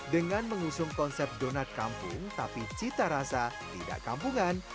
dengan mengusung konsep donat kampung tapi cita rasa tidak kampungan